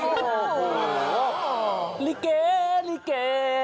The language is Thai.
โอ้โหลิเกลิเก